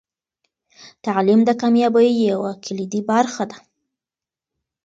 تعلیم د کامیابۍ یوه کلیدي برخه ده.